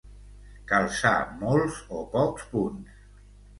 Calçar molts o pocs punts.